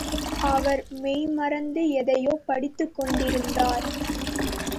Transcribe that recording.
அவர் மெய்மறந்து எதையோ படித்துக் கொண்டிருந்தார்.